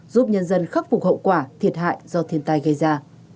giúp nhân dân khắc phục hậu quả thiệt hại do thiên tai gây ra